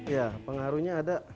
ya pengaruhnya ada